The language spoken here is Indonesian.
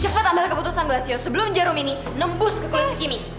cepet ambil keputusan glas yo sebelum jarum ini nembus ke kulit si gimi